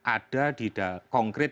ada di dalam konkret